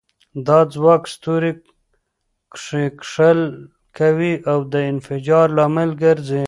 دا ځواک ستوري کښیکښل کوي او د انفجار لامل ګرځي.